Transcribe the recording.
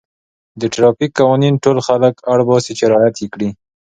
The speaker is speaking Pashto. د ټرافیک قوانین ټول خلک اړ باسي چې رعایت یې کړي.